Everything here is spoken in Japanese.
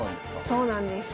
そうなんです。